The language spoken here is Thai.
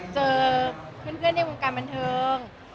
เจอเพื่อนในวงการบันเทิง